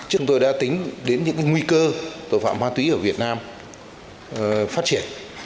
chúng tôi đã tính đến những nguy cơ tội phạm ma túy ở việt nam phát triển